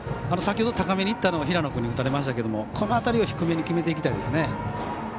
先ほど高めにいったのを平野君に打たれましたけどこの辺りを低めに決めていきたいですね。